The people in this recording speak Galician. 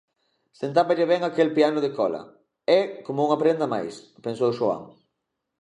Sentáballe ben aquel piano de cola, é coma unha prenda máis, pensou Xoán.